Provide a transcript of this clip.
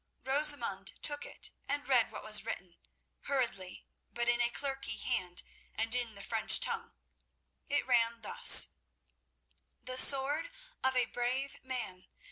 Rosamund took it and read what was written, hurriedly but in a clerkly hand, and in the French tongue. It ran thus: "The sword of a brave man.